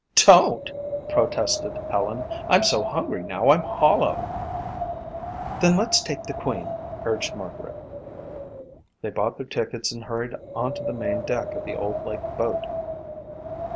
"Don't," protested Helen, "I'm so hungry now I'm hollow." "Then let's take the Queen," urged Margaret. They bought their tickets and hurried onto the main deck of the old lake boat.